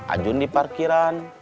ajun di parkiran